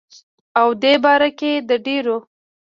او دې باره کښې دَ ډيرو